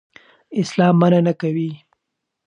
اسلام منع نه کوي.